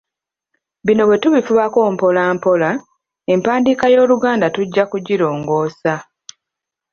Bino bwe tubifubako mpola mpola, empandiika y’Oluganda tujja kugirongoosa.